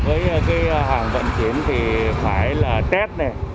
với mùa dịch này với hàng vận chuyển thì phải là test này